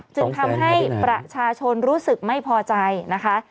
จึงทำให้ประชาชนรู้สึกไม่พอใจนะคะ